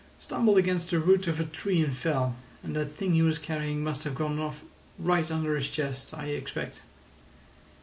Stumbled against the root of a tree and fell, and that thing he was carrying must have gone off right under his chest, I expect."